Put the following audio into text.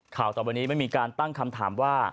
ข่าวต่อวันนี้มันมีการตั้งคำถามว่า